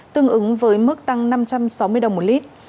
tương ứng với mức tăng năm trăm sáu mươi đồng một lít